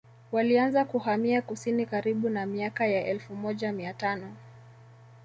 Walianza kuhamia kusini karibu na miaka ya elfu moja mia tano